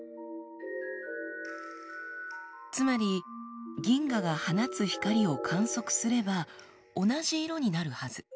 つまり銀河が放つ光を観測すれば同じ色になるはず。